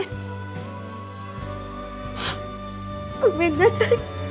ごめんなさい。